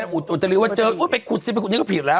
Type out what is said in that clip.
นี่ก็ผิดแล้ว